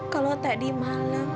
kalau tadi malam